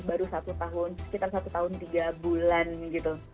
baru satu tahun sekitar satu tahun tiga bulan gitu